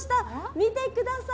見てください